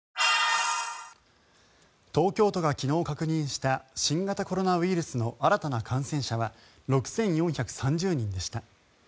東京都が昨日確認した新型コロナウイルスの新たな感染者は６４３０人でした。